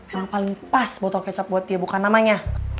yang paling pas botol kecap buat dia bukan namanya